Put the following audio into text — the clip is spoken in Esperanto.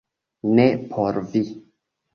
- Ne por vi